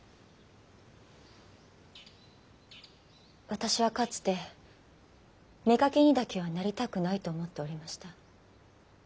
私はかつて妾にだけはなりたくないと思っておりました。